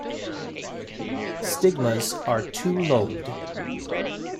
Stigmas are two-lobed.